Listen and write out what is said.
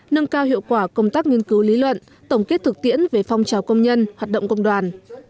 nâng cao hiệu quả công tác nghiên cứu lý luận tổng kết thực tiễn về phong trào công nhân hoạt động công đoàn